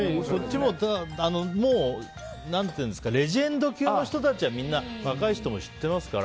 もう、レジェンド級の人たちは若い人も知ってますから。